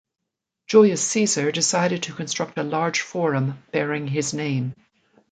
Julius Caesar decided to construct a large forum bearing his name.